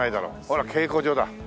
ほら稽古場だ。